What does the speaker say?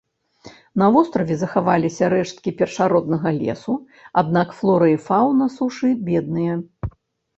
На востраве захаваліся рэшткі першароднага лесу, аднак флора і фаўна сушы бедныя.